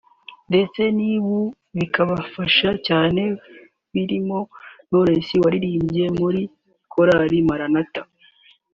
ndetse n’ubu bikibafasha cyane barimo Knowless waririmbye muri Korari Maranatha